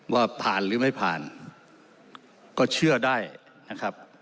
ว่าผ่านหรือไม่ผ่านก็เชื่อได้นะครับ